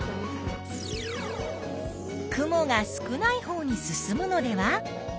「雲が少ないほうに進むのでは？」という予想。